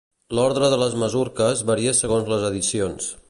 L'ordre de les masurques varia segons les edicions.